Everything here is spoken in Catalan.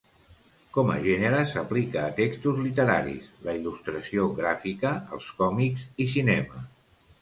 Com a gènere s'aplica a textos literaris, la il·lustració gràfica, els còmics i cinema.